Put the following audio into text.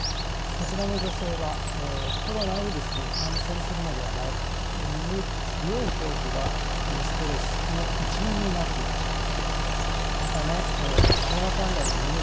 こちらの女性はコロナウイルスに感染するのではないかという強い恐怖がストレスの一因になっていました。